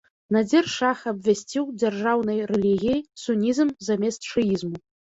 Надзір-шах абвясціў дзяржаўнай рэлігіяй сунізм замест шыізму.